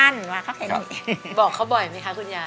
อันดับนี้เป็นแบบนี้